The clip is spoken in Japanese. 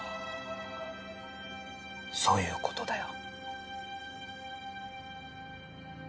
そういう事だよ